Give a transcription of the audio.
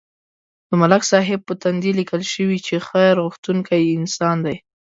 د ملک صاحب په تندي لیکل شوي چې خیر غوښتونکی انسان دی.